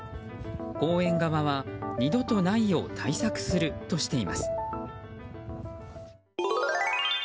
公園側は二度とないよう対策するとしています。